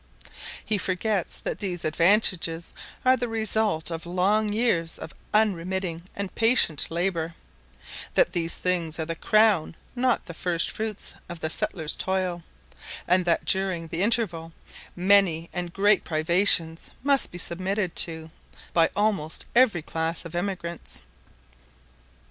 He forgets that these advantages are the result of long years of unremitting and patient labour; that these things are the crown, not the first fruits of the settler's toil; and that during the interval many and great privations must be submitted to by almost every class of emigrants.